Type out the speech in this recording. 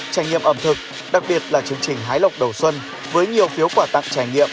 trải nghiệm ẩm thực đặc biệt là chương trình hái lộc đầu xuân với nhiều phiếu quà tặng trải nghiệm